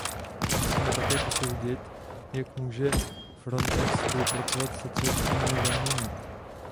Musíme také posoudit, jak může Frontex spolupracovat se třetími zeměmi.